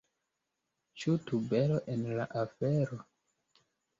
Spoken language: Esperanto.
Ĉu tubero en la afero?